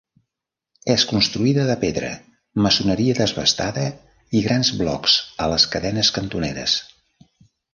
És construïda de pedra, maçoneria desbastada, i grans blocs a les cadenes cantoneres.